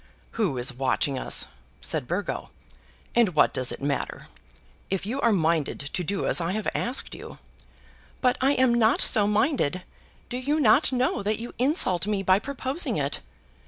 "Who is watching us?" said Burgo; "and what does it matter? If you are minded to do as I have asked you " "But I am not so minded. Do you not know that you insult me by proposing it?"